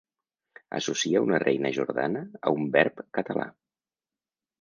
Associa una reina jordana a un verb català.